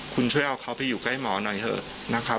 คุณช่วยเอาเขาไปอยู่ใกล้หมอหน่อยเถอะนะครับ